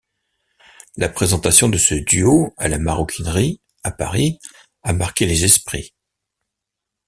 La présentation de ce duo, à la Maroquinerie, à Paris, a marqué les esprits.